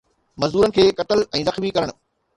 مزدورن کي قتل ۽ زخمي ڪرڻ